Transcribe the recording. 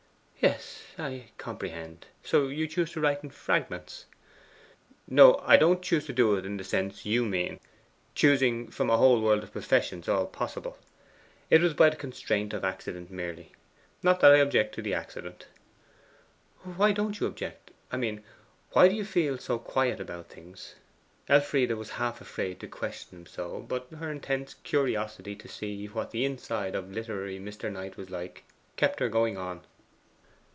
'Yes, I comprehend; and so you choose to write in fragments?' 'No, I don't choose to do it in the sense you mean; choosing from a whole world of professions, all possible. It was by the constraint of accident merely. Not that I object to the accident.' 'Why don't you object I mean, why do you feel so quiet about things?' Elfride was half afraid to question him so, but her intense curiosity to see what the inside of literary Mr. Knight was like, kept her going on.